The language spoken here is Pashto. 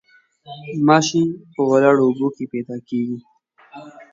ماشي په ولاړو اوبو کې پیدا کیږي